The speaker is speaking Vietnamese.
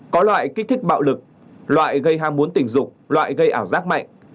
có loại kích thích bạo lực loại gây ham muốn tình dục loại gây ảo giác mạnh